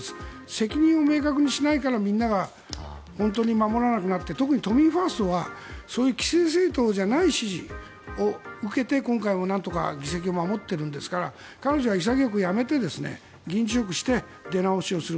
責任を明確にしないからみんなが本当に守らなくなって特に都民ファーストはそういう既成政党じゃない支持を受けて今回はなんとか議席を守っているんですから彼女は潔く辞めて議員辞職をして出直しをする。